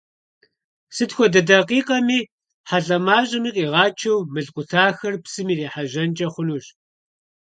Сыт хуэдэ дакъикъэми хьэлъэ мащӀэми къигъачэу мыл къутахэр псым ирихьэжьэнкӀэ хъунущ.